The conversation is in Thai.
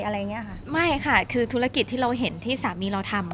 อะไรอย่างเงี้ยค่ะไม่ค่ะคือธุรกิจที่เราเห็นที่สามีเราทำอ่ะ